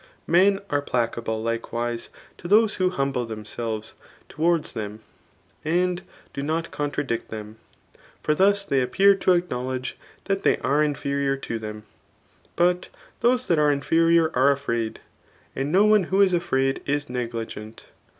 Men are placable likewise to those who humble themselves to* wards them, and do not contradict them ; for thus they appear to acknowledge that they are inferior to them ; but those diat are inferior are afraid; and no one who is afraid is negligent.